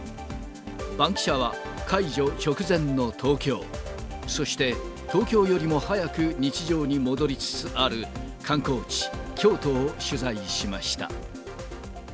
バンキシャは解除直前の東京、そして、東京よりも早く日常に戻りつつある観光地、京都を取材しました。